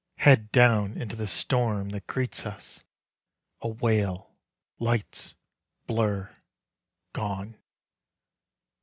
Head down into the storm that greets us. A wail. Lights. Blurr. Gone.